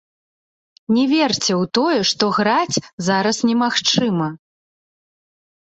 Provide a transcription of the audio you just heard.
Не верце ў тое, што граць зараз немагчыма.